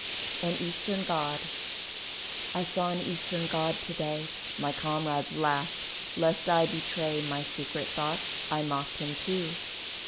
AN EASTERN GOD I saw an Eastern God to day; My comrades laughed; lest I betray My secret thoughts, I mocked him too.